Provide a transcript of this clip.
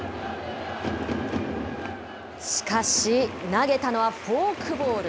しかし、投げたのはフォークボール。